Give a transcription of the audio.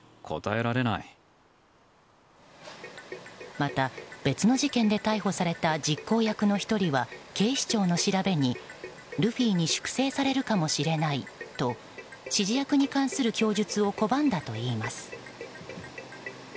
また、別の事件で逮捕された実行役の１人は警視庁の調べに、ルフィに粛清されるかもしれないと指示役に関する供述を拒んだといいます。